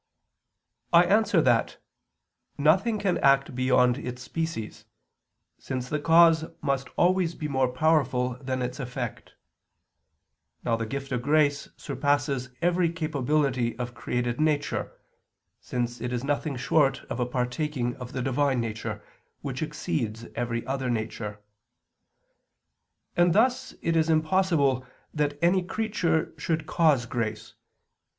I answer that, Nothing can act beyond its species, since the cause must always be more powerful than its effect. Now the gift of grace surpasses every capability of created nature, since it is nothing short of a partaking of the Divine Nature, which exceeds every other nature. And thus it is impossible that any creature should cause grace.